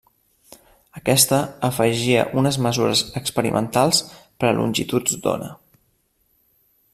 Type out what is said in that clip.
Aquesta afegia unes mesures experimentals per a longituds d'ona.